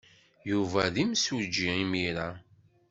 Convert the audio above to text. Yuba d imsujji imir-a.